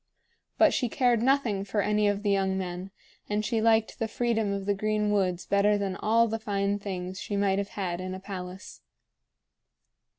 But she cared nothing for any of the young men, and she liked the freedom of the green woods better than all the fine things she might have had in a palace.